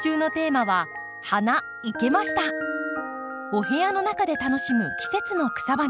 お部屋の中で楽しむ季節の草花